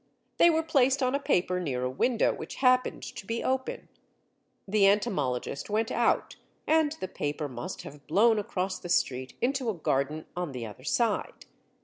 They were placed on a paper near a window which happened to be open; the entomologist went out, and the paper must have blown across the street into a garden on the other side.